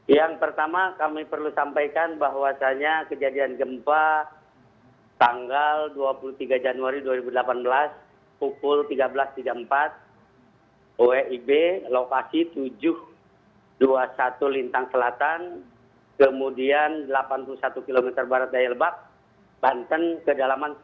yang pertama kami perlu sampaikan bahwasannya kejadian gempa tanggal dua puluh tiga januari dua ribu delapan belas pukul tiga belas tiga puluh empat oeib lokasi tujuh ratus dua puluh satu lintang selatan kemudian delapan puluh satu km barat dari lebak banten kedalaman sepuluh km